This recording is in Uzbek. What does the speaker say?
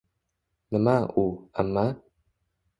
Nima, u, amma?